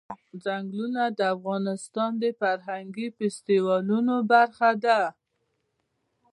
ځنګلونه د افغانستان د فرهنګي فستیوالونو برخه ده.